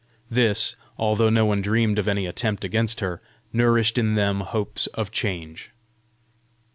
This, although no one dreamed of any attempt against her, nourished in them hopes of change.